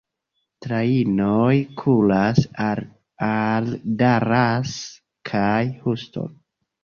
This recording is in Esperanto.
Trajnoj kuras al al Dallas kaj Houston.